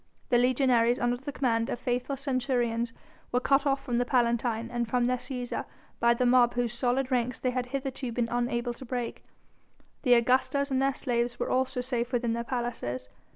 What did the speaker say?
The legionaries, under the command of faithful Centurions, were cut off from the Palatine and from their Cæsar by the mob whose solid ranks they had hitherto been unable to break. The Augustas and their slaves were also safe within their palaces.